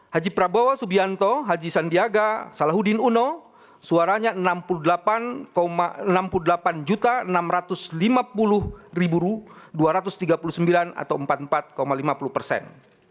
haji prabowo subianto haji sandiaga salahuddin uno suaranya enam puluh delapan enam puluh delapan enam ratus lima puluh dua ratus tiga puluh sembilan atau empat puluh empat lima puluh persen